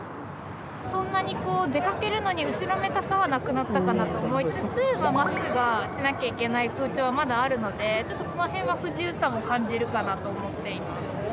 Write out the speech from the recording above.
そんなに出かけるのに後ろめたさはなくなったかなと思いつつマスクがしなきゃいけない風潮はまだあるのでちょっとその辺は不自由さも感じるかなと思っています。